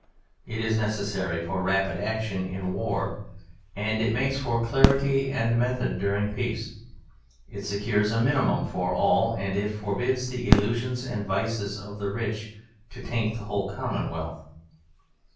It is necessary for rapid action in war, it makes for clarity and method during peace, it secures a minimum for all, and it forbids the illusions and vices of the rich to taint the whole commonwealth.